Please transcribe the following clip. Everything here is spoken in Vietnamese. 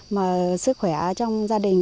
mà sức khỏe trong gia đình